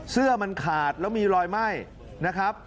เสื้อมันขาดแล้วมีรอยไหม้นะครับ